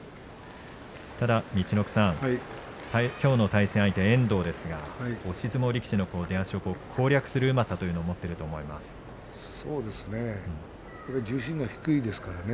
ただ陸奥さん、きょうの対戦相手遠藤ですが押し相撲力士の出足を攻略するうまさも持っていますね。